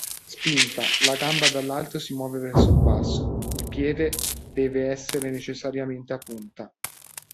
Spinta: La gamba dall'alto si muove verso il basso. Il piede deve essere necessariamente a punta.